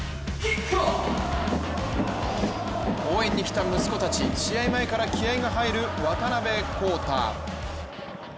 応援に来た息子たち、試合前から気合いが入る渡辺皓太。